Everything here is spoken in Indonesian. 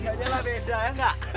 gak jalan beda ya